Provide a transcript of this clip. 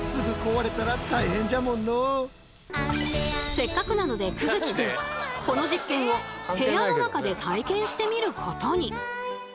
せっかくなので玖月くんこの実験を部屋の中で体験してみることに。